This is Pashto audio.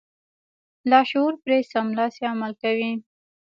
لاشعور پرې سملاسي عمل کوي.